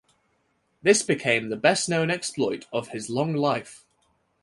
This became the best-known exploit of his long life.